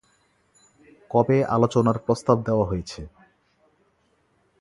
কবে আলোচনার প্রস্তাব দেওয়া হয়েছে?